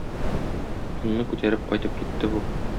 Онны күтәреп кайтып китте бу.